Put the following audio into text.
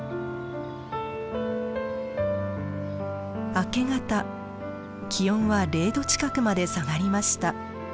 明け方気温は０度近くまで下がりました。